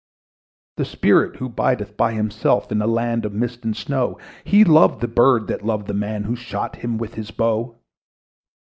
"The spirit who bideth by himself In the land of mist and snow, He loved the bird that loved the man Who shot him with his bow."